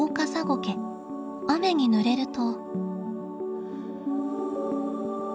雨にぬれると。